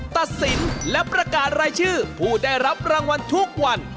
ตัดสินและประกาศรายชื่อผู้ได้รับรางวัลทุกวัน